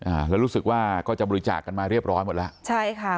อ่าแล้วรู้สึกว่าก็จะบริจาคกันมาเรียบร้อยหมดแล้วใช่ค่ะ